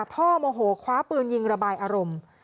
โมโหคว้าปืนยิงระบายอารมณ์